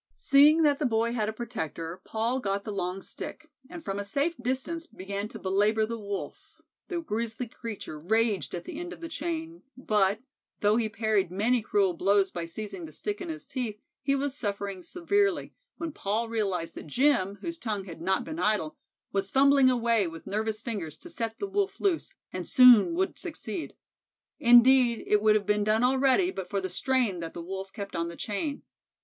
Seeing that the boy had a protector, Paul got the long stick, and from a safe distance began to belabor the Wolf, The grizzly creature raged at the end of the chain, but, though he parried many cruel blows by seizing the stick in his teeth, he was suffering severely, when Paul realized that Jim, whose tongue had not been idle, was fumbling away with nervous fingers to set the Wolf loose, and soon would succeed. Indeed, it would have been done already but for the strain that the Wolf kept on the chain.